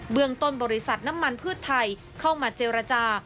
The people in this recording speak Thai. เมืองต้นบริษัทน้ำมันพืชไทยเข้ามาเจรจา